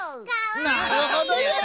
なるほどね。